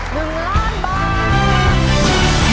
๑ล้านบาท